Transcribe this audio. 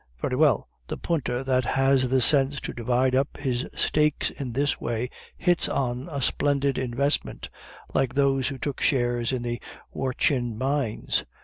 Very well, the punter that has the sense to divide up his stakes in this way hits on a splendid investment, like those who took shares in the Wortschin mines.